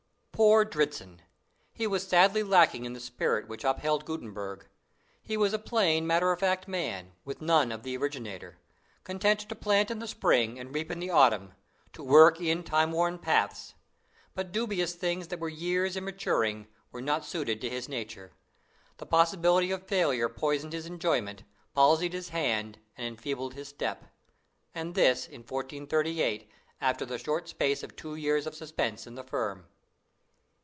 Poor Dritzhn! he was sadly lacking in the spirit which upheld Gutenberg. He was a plain matter of fact man, with none of the originator, content to plant in the spring and reap in the autumn, to work in time worn paths; but dubious things that were years in maturing, were not suited to his nature. The possibility of failure poisoned his enjoyment, palsied his hand, and enfeebled his step. And this, in 1438, after the short space of two years of suspense in the firm.